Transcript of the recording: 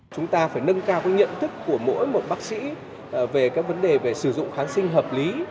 chúng ta phải nâng cao nhận thức của mỗi một bác sĩ về các vấn đề về sử dụng kháng sinh hợp lý